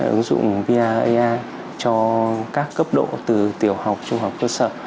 ứng dụng vr ai cho các cấp độ từ tiểu học trung học cơ sở